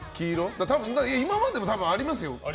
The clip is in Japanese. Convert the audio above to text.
だから、今までも多分ありますよ。